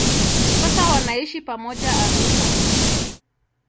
Sasa wanaishi pamoja Arusha.